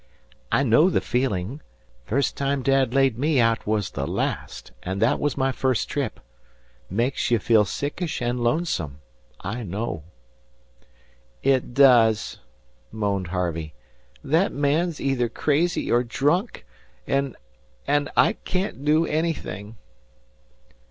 "I know the feelin'. First time Dad laid me out was the last and that was my first trip. Makes ye feel sickish an' lonesome. I know." "It does," moaned Harvey. "That man's either crazy or drunk, and and I can't do anything."